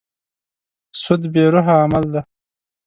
سود بې روحه عمل دی.